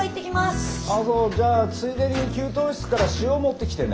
ああそうじゃあついでに給湯室から塩持ってきてね。